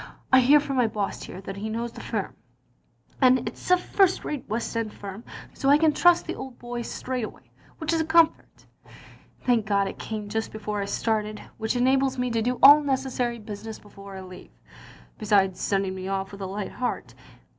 I hear from my boss here that he knows the firm, and it *s a first rate west end firm, so I can, trust the old boy straight away, which is a comfort. Thank God it came just before I started, which enables me to do all necessary business before I leave, besides sending me off with a light heart.